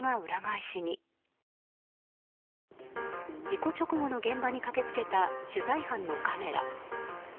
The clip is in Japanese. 事故直後の現場に駆け付けた取材班のカメラ。